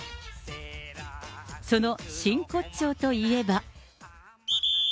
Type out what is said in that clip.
その真骨頂といえば。